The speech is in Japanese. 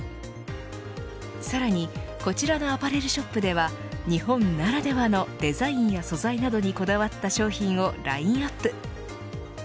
さらにこちらのアパレルショップでは日本ならではのデザインや素材などにこだわった商品をラインアップ。